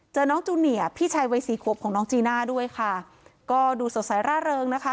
น้องจูเนียพี่ชายวัยสี่ขวบของน้องจีน่าด้วยค่ะก็ดูสดใสร่าเริงนะคะ